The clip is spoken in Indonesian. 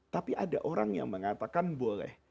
tapi ada orang yang mengatakan boleh